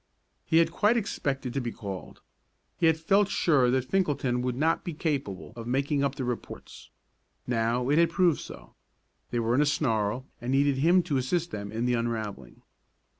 He had quite expected to be called. He had felt sure that Finkelton would not be capable of making up the reports. Now it had proved so. They were in a snarl, and needed him to assist them in the unravelling.